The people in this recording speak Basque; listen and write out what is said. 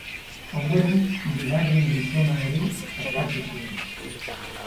Ondoren, bigarren gizona ere sastatu zuen.